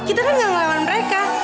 kita kan gak ngelawan mereka